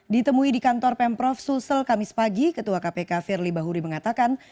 ditemui di kantor pemprov sulsel kamis pagi ketua kpk firly bahuri mengatakan